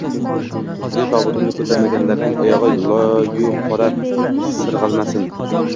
Meni tobutimni koʻtarganlarning oyogʻi loyu-qorga sirgʻalmasin!